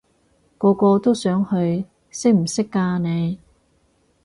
個個都想去，識唔識㗎你？